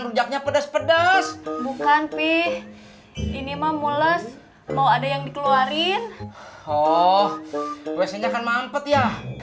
rujaknya pedas pedas bukan pih ini mah mulas mau ada yang dikeluarin oh biasanya kan mampet ya